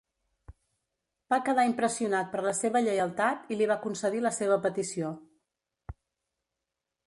Va quedar impressionat per la seva lleialtat i li va concedir la seva petició.